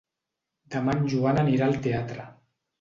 Demà en Joan anirà al teatre.